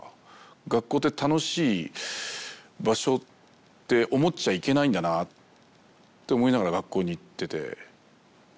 学校って楽しい場所って思っちゃいけないんだなって思いながら学校に行ってて。